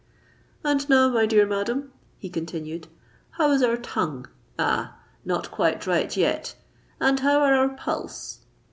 "And now, my dear madam," he continued, "how is our tongue! Ah—not quite right yet! And how are our pulse?"